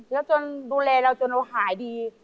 แล้วจนดูแลเราจนเราหายดี